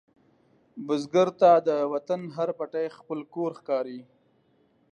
بزګر ته د وطن هر پټی خپل کور ښکاري